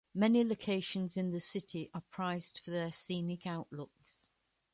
Many locations in the city are prized for their scenic outlooks.